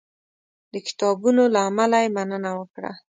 د کتابونو له امله یې مننه وکړه.